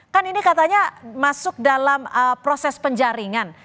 kan ini katanya masuk dalam proses penjaringan